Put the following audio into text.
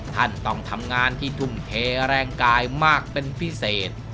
ท่านต้องทำงานที่ทุ่มเทแรงกายมากเป็นพิเศษ